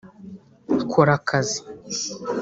’Kora akazi’